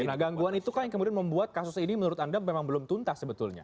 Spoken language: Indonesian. nah gangguan itu kan yang kemudian membuat kasus ini menurut anda memang belum tuntas sebetulnya